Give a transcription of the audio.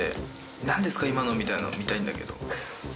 「何ですか今のは」みたいなのを見たいんだけど。